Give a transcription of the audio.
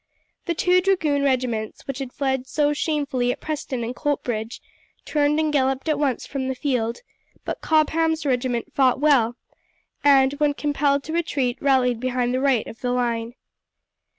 The two dragoon regiments, which had fled so shamefully at Preston and Coltbridge, turned and galloped at once from the field; but Cobham's regiment fought well, and when compelled to retreat rallied behind the right of the line.